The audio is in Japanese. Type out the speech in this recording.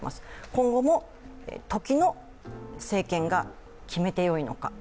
今後も時の政権が決めてよいのか。